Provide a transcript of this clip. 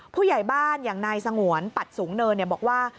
ผู้ใหญ่บ้านอย่างนายสงวนปัดสูงเนินบอกว่า